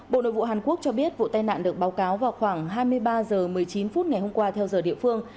bộ nội vụ hàn quốc cho biết vụ tai nạn được báo cáo vào khoảng hai mươi ba h một mươi chín phút ngày hôm qua theo giờ địa phương